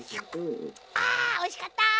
あおいしかった！